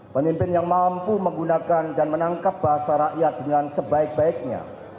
pemimpin yang mampu menggunakan dan menangkap bahasa rakyat dengan sebaik baiknya